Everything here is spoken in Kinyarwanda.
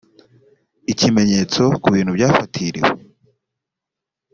ikimenyetso ku bintu byafatiriwe